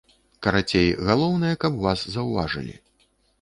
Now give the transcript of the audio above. Карацей, галоўнае, каб вас заўважылі.